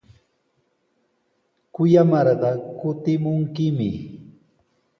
Kuyamarqa kutimunkimi.